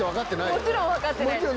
もちろん分かってないです。